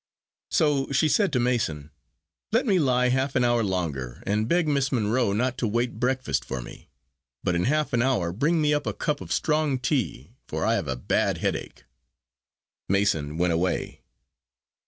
So she said to Mason: "Let me lie half an hour longer; and beg Miss Monro not to wait breakfast for me; but in half an hour bring me up a cup of strong tea, for I have a bad headache." Mason went away.